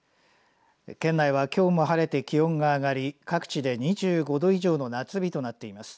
県内はきょうも晴れて気温が上がり各地で２５度以上の夏日となっています。